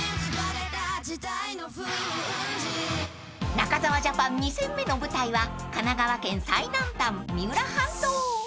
［中澤ジャパン２戦目の舞台は神奈川県最南端三浦半島］